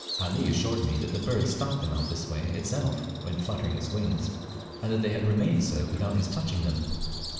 Ali assured me that the bird stuck them out this way itself, when fluttering its wings, and that they had remained so without his touching them.